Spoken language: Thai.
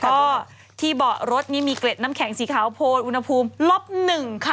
ก็ที่เบาะรถนี่มีเกร็ดน้ำแข็งสีขาวโพนอุณหภูมิลบหนึ่งค่ะ